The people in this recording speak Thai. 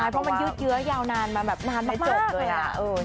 เพราะมันยืดเยอะเยาว์นานมาแบบนานมากเลยนะ